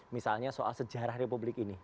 misalnya soal sejarah republik ini